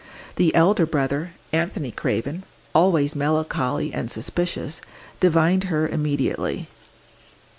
The elder brother, Anthony Craven, always melancholy and suspicious, divined her immediately.